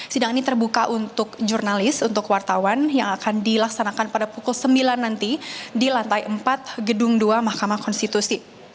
sidang ini terbuka untuk jurnalis untuk wartawan yang akan dilaksanakan pada pukul sembilan nanti di lantai empat gedung dua mahkamah konstitusi